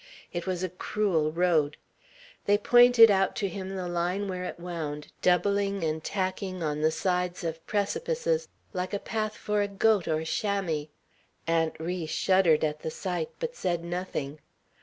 It was a cruel road. They pointed out to him the line where it wound, doubling and tacking on the sides of precipices, like a path for a goat or chamois. Aunt Ri shuddered at the sight, but said nothing.